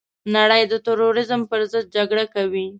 نړۍ د تروريزم پرضد جګړه کوي.